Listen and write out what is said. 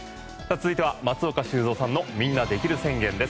続いては松岡修造さんのみんなできる宣言です。